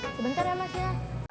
sebentar ya mas ya